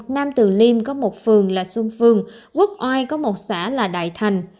nam từ liêm có một phường là xuân phương quốc oai có một xã là đại thành